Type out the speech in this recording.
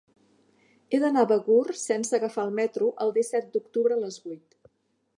He d'anar a Begur sense agafar el metro el disset d'octubre a les vuit.